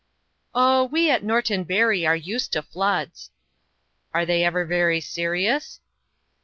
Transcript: "Oh, we at Norton Bury are used to floods." "Are they ever very serious?"